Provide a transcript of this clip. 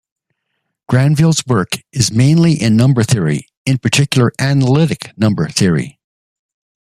Granville's work is mainly in number theory, in particular analytic number theory.